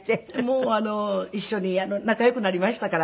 もう一緒に仲良くなりましたから。